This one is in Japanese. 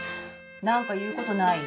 何か言うことない？